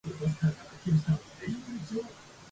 新潟県聖籠町